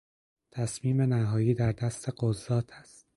تصمیم نهایی در دست قضات است.